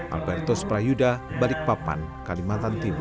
alberto sprayuda balikpapan kalimantan timur